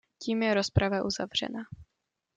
Tím je rozprava uzavřena.